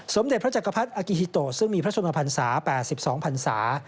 สมเด็จพระจักรพรรดิอากิฮิโตซึ่งมีพระชนมพันศา๘๒พันศา